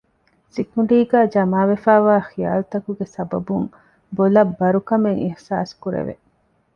ސިކުނޑީގައި ޖަމާވެފައިވާ ޚިޔާލުތަކުގެ ސަބަބުން ބޮލަށް ބަރުކަމެއް އިޙުސާސްކުރެވެ